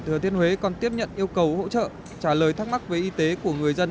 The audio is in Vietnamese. thừa thiên huế còn tiếp nhận yêu cầu hỗ trợ trả lời thắc mắc về y tế của người dân